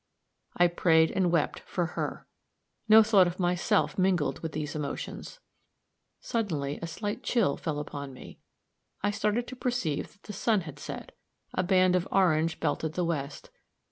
I prayed and wept for her. No thought of myself mingled with these emotions. Suddenly a slight chill fell upon me. I started to perceive that the sun had set. A band of orange belted the west.